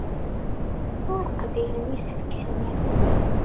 Ur qbilen isefka-nni.